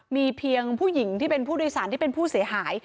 มีเพียงผู้หญิงที่เป็นผู้โดยสารที่เป็นผู้เสียหาย